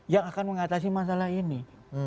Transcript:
yang akan mengatasi masalah ini